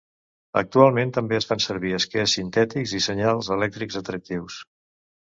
Actualment també es fan servir esquers sintètics i senyals elèctrics atractius.